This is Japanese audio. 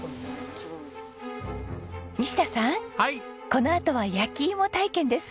このあとは焼きイモ体験です。